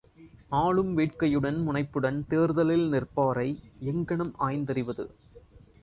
ஆளும் வேட்கையுடன் முனைப்புடன் தேர்தலில் நிற்பாரை எங்ஙனம் ஆய்ந்தறிவது?